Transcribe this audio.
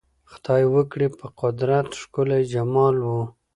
خدای ورکړی په قدرت ښکلی جمال وو